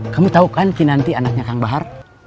kamu tahu kan kinanti anaknya kang bahar